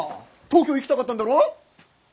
東京行きたかったんだろ？